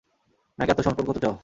নাকি আত্মসমর্পণ করতে চাও?